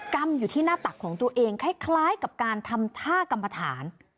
ำอยู่ที่หน้าตักของตัวเองคล้ายกับการทำท่ากรรมฐาน